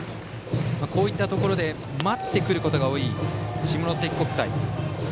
こういったところで待ってくることが多い下関国際。